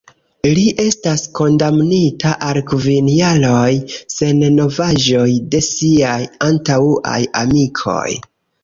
Li estas kondamnita al kvin jaroj, sen novaĵoj de siaj antaŭaj amikoj.